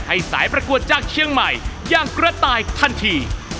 สายประกวดจากเชียงใหม่อย่างกระต่ายทันที